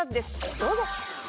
どうぞ。